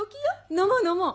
飲もう飲もう！